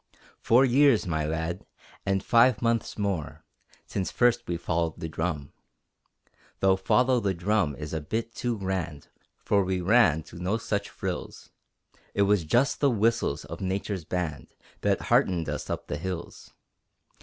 Four years, my lad, and five months more, Since first we followed the drum. Though "Follow the drum" is a bit too grand, For we ran to no such frills; It was just the whistles of Nature's band That heartened us up the hills.